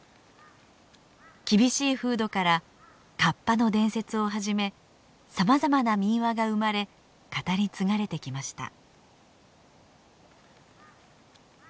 厳しい風土からカッパの伝説をはじめさまざまな民話が生まれ語り継がれてきました。